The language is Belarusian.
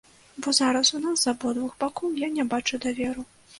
Бо зараз у нас з абодвух бакоў я не бачу даверу.